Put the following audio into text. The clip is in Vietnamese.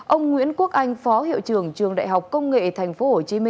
ông nguyễn quốc anh phó hiệu trưởng trường đại học công nghệ tp hcm